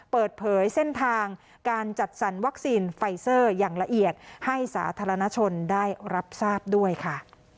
เปิดเผยเส้นทางการจัดสรรวัคซีนไฟเซอร์อย่างละเอียดให้สาธารณชนได้รับทราบด้วยค่ะ